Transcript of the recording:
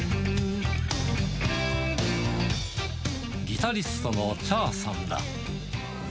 ギタリストのチャーさんら。